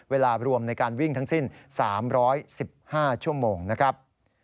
เวลารวมในการวิ่งทั้งสิ้น๓๑๕ชั่วโมงนะครับ